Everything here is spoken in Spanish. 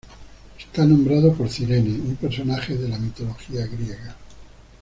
Está nombrado por Cirene, un personaje de la mitología griega.